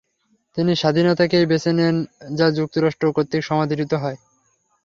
তিনি স্বাধীনতাকেই বেছে নেন যা যুক্তরাষ্ট্র কর্তৃক সমাদৃত হয়।